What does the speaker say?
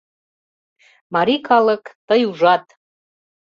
Марий калык, тый ужат: